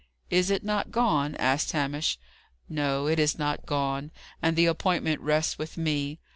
"Is it not gone?" asked Hamish. "No, it is not gone. And the appointment rests with me.